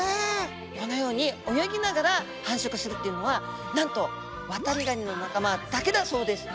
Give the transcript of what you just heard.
このように泳ぎながら繁殖するっていうのはなんとワタリガニの仲間だけだそうです。